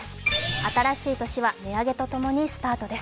新しい年は値上げとともにスタートです。